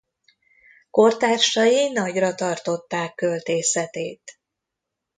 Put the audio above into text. Kortársai nagyra tartották költészetét.